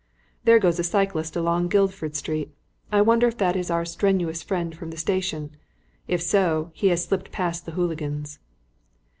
There goes a cyclist along Guildford Street. I wonder if that is our strenuous friend from the station. If so, he has slipped past the hooligans."